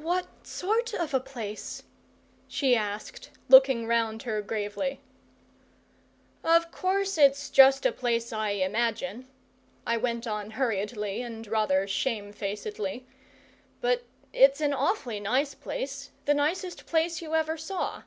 "What sort of a place?" she asked, looking round her gravely. "Of course it's just a place I imagine," I went on hurriedly and rather shamefacedly: "but it's an awfully nice place the nicest place you ever saw.